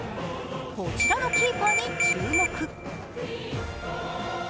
こちらのキーパーに注目。